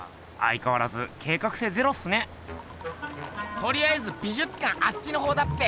とりあえず美術館あっちのほうだっぺ。